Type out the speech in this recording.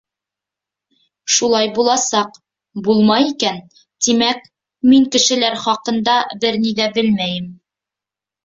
Шулай буласаҡ, булмай икән, тимәк, мин кешеләр хаҡында бер ни ҙә белмәйем...